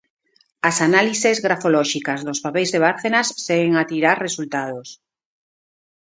As análises grafolóxicas dos papeis de Bárcenas seguen a tirar resultados.